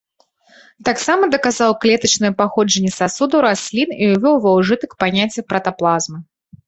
Таксама даказаў клетачнае паходжанне сасудаў раслін і ўвёў ва ўжытак паняцце пратаплазмы.